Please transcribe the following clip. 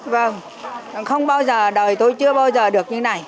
vâng không bao giờ đời tôi chưa bao giờ được như này